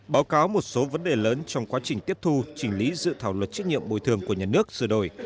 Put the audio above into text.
báo cáo một số vấn đề lớn trong quá trình tiếp thu chỉnh lý dự thảo luật trách nhiệm bồi thường của nhà nước sửa đổi